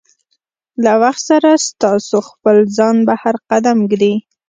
له وخت سره ستاسو خپل ځان بهر قدم ږدي.